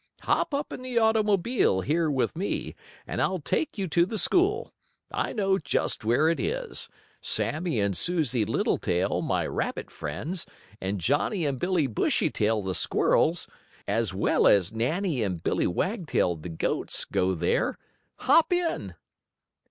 Hop up in the automobile here with me, and I'll take you to the school. I know just where it is. Sammie and Susie Littletail, my rabbit friends, and Johnnie and Billie Bushytail, the squirrels, as well as Nannie and Billie Wagtail, the goats, go there. Hop in!"